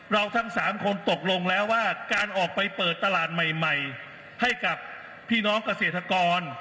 ทั้ง๓คนตกลงแล้วว่าการออกไปเปิดตลาดใหม่ให้กับพี่น้องเกษตรกร